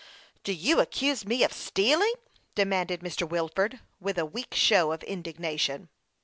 Do you accuse me of stealing ?" demanded ]\ir. Wilford, Avith a weak show of indignation.